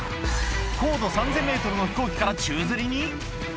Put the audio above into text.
高度３０００ｍの飛行機から宙づりに？